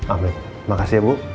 amin makasih bu